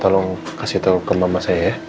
tolong kasih tahu ke mama saya ya